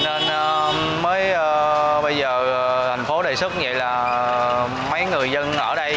cho nên mới bây giờ thành phố đề xuất như vậy là mấy người dân ở đây